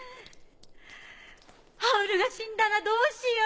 ハウルが死んだらどうしよう。